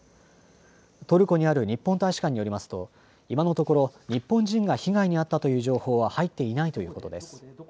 トルコにある日本大使館によりますと今のところ日本人が被害に遭ったという情報は入っていないということです。